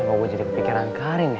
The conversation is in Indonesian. ini mau gue jadi kepikiran karing ya